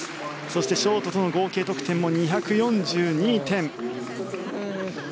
そして、ショートとの合計得点も２４２．６２。